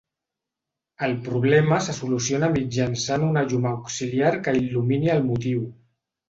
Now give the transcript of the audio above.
El problema se soluciona mitjançant una llum auxiliar que il·lumini el motiu.